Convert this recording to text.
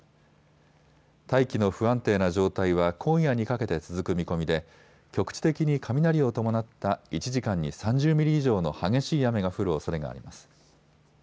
大気の不安定な状態は今夜にかけて続く見込みで局地的に雷を伴った１時間に３０ミリ以上の激しい雨が降るおそれがあります。